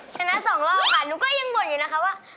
ชนะสองรอบค่ะหนูก็ยังบ่นอยู่นะคะว่า